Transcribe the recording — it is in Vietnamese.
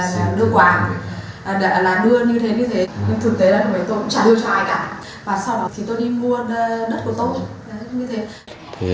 nhưng thực tế là tôi cũng chẳng đưa cho ai cả và sau đó thì tôi đi mua đất của tôi